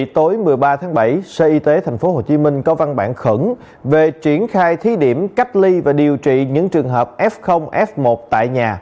tối một mươi ba tháng bảy sở y tế tp hcm có văn bản khẩn về triển khai thí điểm cách ly và điều trị những trường hợp f f một tại nhà